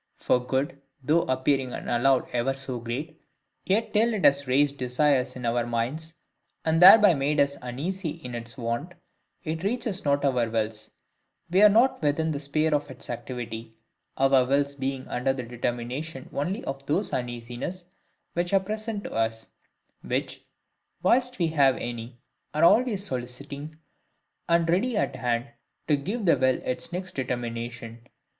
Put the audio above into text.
For good, though appearing and allowed ever so great, yet till it has raised desires in our minds, and thereby made us uneasy in its want, it reaches not our wills; we are not within the sphere of its activity, our wills being under the determination only of those uneasinesses which are present to us, which (whilst we have any) are always soliciting, and ready at hand, to give the will its next determination.